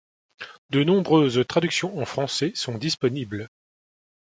De nombreuses traductions en français sont disponibles.